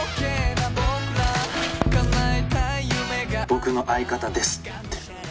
「“僕の相方です”って」